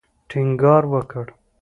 ټینګار وکړ.